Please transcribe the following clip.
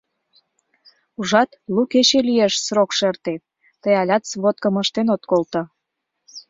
— Ужат, лу кече лиеш срокшо эртен, тый алят сводкым ыштен от колто.